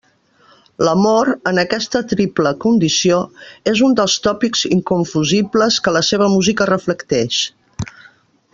L'amor, en aquesta triple condició, és un dels tòpics inconfusibles que la seva música reflecteix.